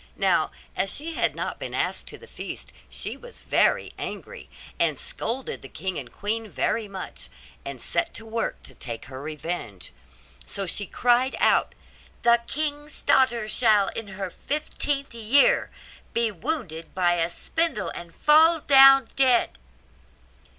Now, as she had not been asked to the feast she was very angry, and scolded the king and queen very much, and set to work to take her revenge. So she cried out, 'The king's daughter shall, in her fifteenth year, be wounded by a spindle, and fall down dead.